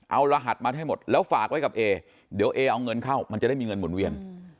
เอารหัสมาให้หมดแล้วฝากไว้กับเอเดี๋ยวเอเอาเงินเข้ามันจะได้มีเงินหมุนเวียน